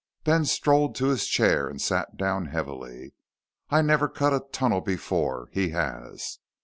Ben strolled to his chair and sat down heavily. "I never cut a tunnel before. He has."